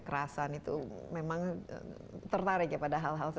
iramanya juga kadang kadang tidak konsisten